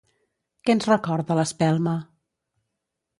Què ens recorda l'espelma?